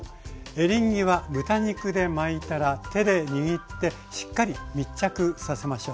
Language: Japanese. エリンギは豚肉で巻いたら手で握ってしっかり密着させましょう。